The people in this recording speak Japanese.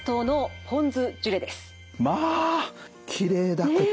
まあきれいだこと。